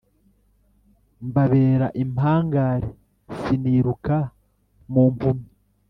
Mbabera impangare siniruka mu mpunnyi